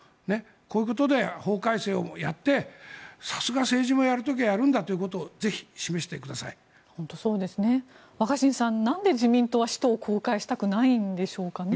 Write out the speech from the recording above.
こういうことで法改正をやってさすが政治はやる時はやるんだと若新さん、なんで自民党は使途を公開したくないんでしょうかね。